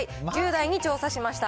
１０代に調査しました。